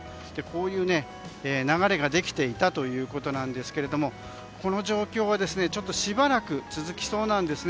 こういう流れができていたということなんですけどこの状況はちょっとしばらく続きそうなんです。